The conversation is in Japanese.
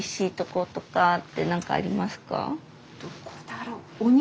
どこだろう？